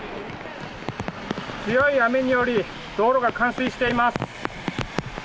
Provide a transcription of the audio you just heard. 強い雨により道路が冠水しています。